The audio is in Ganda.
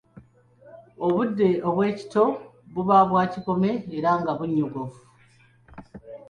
Obudde obw'ekitto buba bwakikome era nga bunnyogovu nnyo.